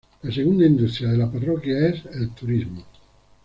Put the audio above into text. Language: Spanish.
La segunda industria de la parroquia es el turismo.